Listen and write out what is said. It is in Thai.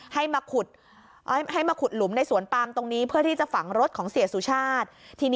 ให้มาขุดหลุมในสวนตามตรงนี้เพื่อที่จะฝังรถของเศรษฐุชาติ